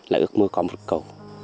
là ước mơ có một cầu